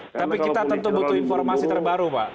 tapi kita tentu butuh informasi terbaru pak